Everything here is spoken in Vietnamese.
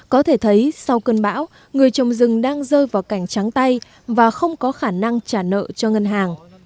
có thể thấy sau cơn bão người trồng rừng đang rơi vào cảnh trắng tay và không có khả năng trả nợ cho ngân hàng